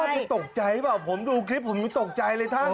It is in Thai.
ว่าไม่ตกใจหรือเปล่าผมดูคลิปผมไม่ตกใจเลยทั้ง